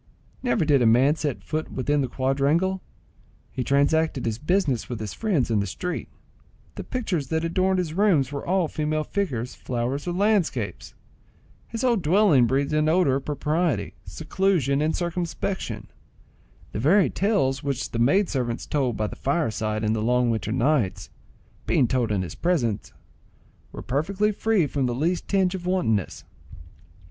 Never did a man set foot within the quadrangle; he transacted his business with his friends in the street; the pictures that adorned his rooms were all female figures, flowers, or landscapes; his whole dwelling breathed an odour of propriety, seclusion, and circumspection; the very tales which the maid servants told by the fireside in the long winter nights, being told in his presence, were perfectly free from the least tinge of wantonness.